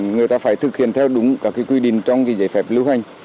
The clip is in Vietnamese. người ta phải thực hiện theo đúng các quy định trong giấy phép lưu hành